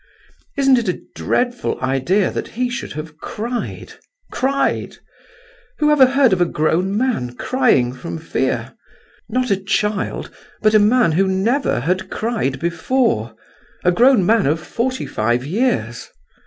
Isn't it a dreadful idea that he should have cried—cried! Whoever heard of a grown man crying from fear—not a child, but a man who never had cried before—a grown man of forty five years.